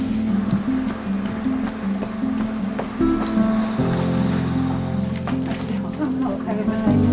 おはようございます。